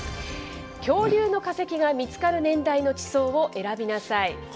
恐竜の化石が見つかる年代の地層を選びなさい。